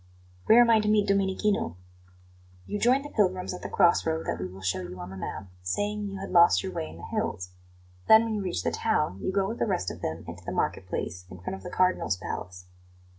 "Where am I to meet Domenichino?" "You join the pilgrims at the cross road that we will show you on the map, saying you had lost your way in the hills. Then, when you reach the town, you go with the rest of them into the marketplace, in front of the Cardinal's palace."